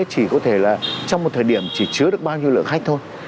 chỉ có thể là trong một thời điểm chỉ chứa được bao nhiêu lượng khách thôi